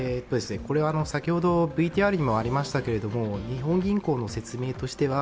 先ほどＶＴＲにもありましたけれども、日本銀行の説明としては